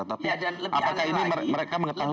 apakah ini mereka mengetahui